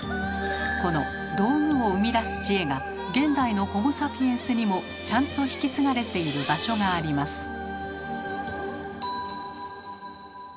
この道具を生み出す知恵が現代のホモ・サピエンスにもちゃんと引き継がれている場所があります。